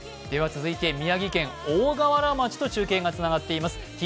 続いて宮城県大河原町と中継がつながっています。